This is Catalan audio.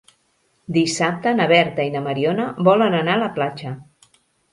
Dissabte na Berta i na Mariona volen anar a la platja.